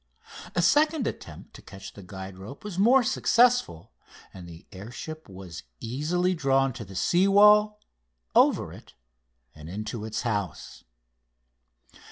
A second attempt to catch the guide rope was more successful, and the air ship was easily drawn to the sea wall, over it, and into its house.